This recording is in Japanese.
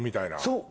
そう！